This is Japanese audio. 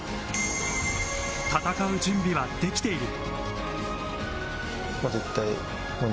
戦う準備はできている。